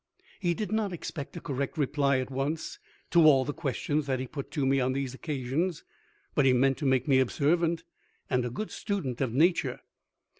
He did not expect a correct reply at once to all the questions that he put to me on these occasions, but he meant to make me observant and a good student of nature.